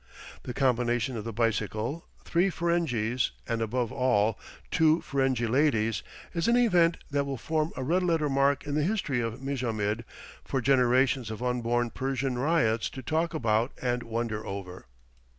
The combination of the bicycle, three Ferenghis, and, above all, two Ferenghi ladies, is an event that will form a red letter mark in the history of Mijamid for generations of unborn Persian ryots to talk about and wonder over.